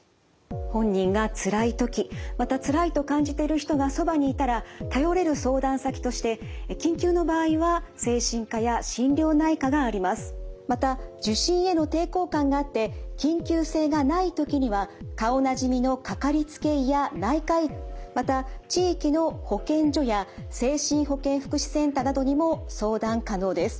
本人がつらい時またつらいと感じてる人がそばにいたら頼れる相談先としてまた受診への抵抗感があって緊急性がない時には顔なじみのかかりつけ医や内科医また地域の保健所や精神保健福祉センターなどにも相談可能です。